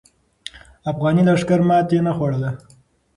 افغاني لښکر ماتې نه خوړله.